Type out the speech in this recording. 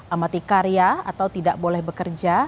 amati karya atau tidak boleh bekerja